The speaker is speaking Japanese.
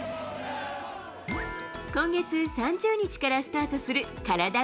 今月３０日からスタートするカラダ